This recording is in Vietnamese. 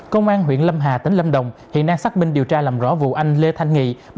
công an huyện lâm hà tỉnh lâm đồng hiện đang xác minh điều tra làm rõ vụ anh lê thanh nghị